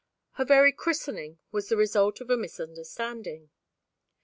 Her very christening was the result of a misunderstanding.